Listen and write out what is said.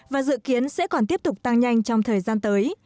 và dự kiến sẽ còn tiếp tục tăng nhanh trong thời gian tới